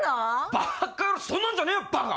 バカ野郎そんなんじゃねえよバカ！